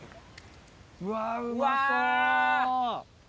うわうまそう。